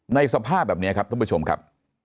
สภาพแบบนี้ครับท่านผู้ชมครับ